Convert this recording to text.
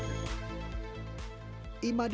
agar pemandangan tetap indah